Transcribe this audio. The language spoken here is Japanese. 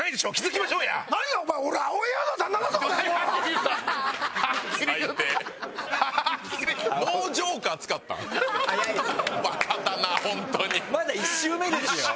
まだ１周目ですよ。